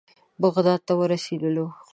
بغداد ته ورسېدلو.